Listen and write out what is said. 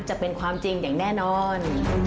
จะเป็นความจริงอย่างแน่นอน